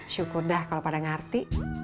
syukur dah kalau pada ngerti